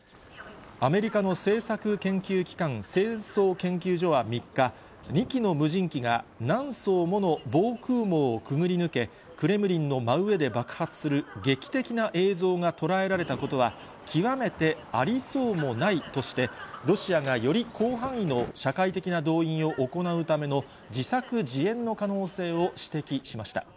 アメリカの政策研究機関、戦争研究所は３日、２機の無人機が何層もの防空網をくぐり抜け、クレムリンの真上で爆発する劇的な映像が捉えられたことは、極めてありそうもないとして、ロシアがより広範囲の社会的な動員を行うための自作自演の可能性を指摘しました。